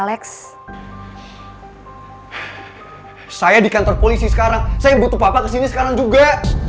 aku bisa compare di muziknya